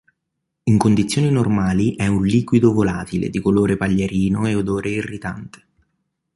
In condizioni normali è un liquido volatile di colore paglierino e odore irritante.